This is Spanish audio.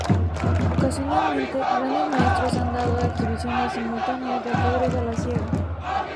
Ocasionalmente, grandes maestros han dado exhibiciones simultáneas de ajedrez a la ciega.